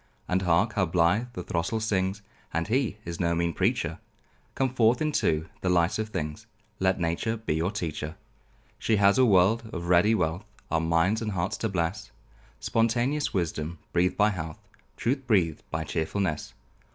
And hark! how blithe the throstle sings! And he is no mean preacher; Come forth into the light of things, Let Nature be your teacher. She has a world of ready wealth, Our minds and hearts to bless Spontaneous wisdom breathed by health, Truth breathed by chearfulness.